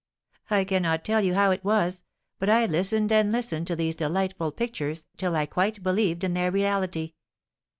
I cannot tell you how it was, but I listened and listened to these delightful pictures till I quite believed in their reality.